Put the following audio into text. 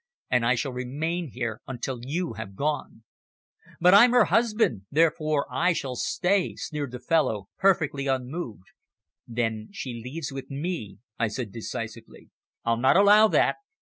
And I shall remain here until you have gone." "But I'm her husband, therefore I shall stay," sneered the fellow, perfectly unmoved. "Then she leaves with me," I said decisively. "I'll not allow that."